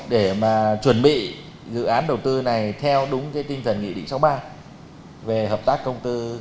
để mà chuẩn bị dự án đầu tư này theo đúng cái tinh thần nghị định sáu mươi ba về hợp tác công tư